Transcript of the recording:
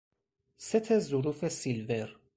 ست ظروف سیلور